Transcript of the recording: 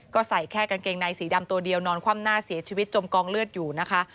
ก็ใส่แค่กางเกงในสีดำตัวเดียวนอนคว่ำหน้าเสียชีวิตจมกองเลือดอยู่นะคะ